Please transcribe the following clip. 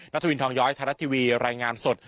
นัทวินทองย้อยทรัศน์ทีวีรายงานสด